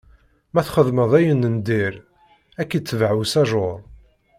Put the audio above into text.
Ma txedmeḍ ayen n dir, Ad k-itbaɛ usajuṛ.